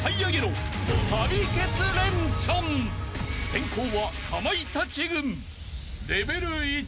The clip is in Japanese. ［先攻はかまいたち軍］